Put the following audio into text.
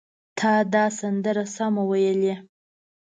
تا دا سندره سمه وویلې!